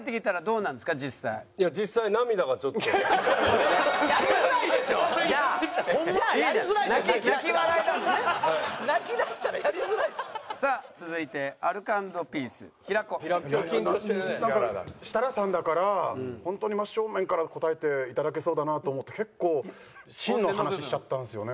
なんか設楽さんだから本当に真正面から答えていただけそうだなと思って結構芯の話しちゃったんですよね